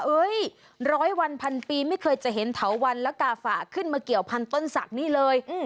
ร้อยวันพันปีไม่เคยจะเห็นเถาวันและกาฝาขึ้นมาเกี่ยวพันธุ้นศักดิ์นี่เลย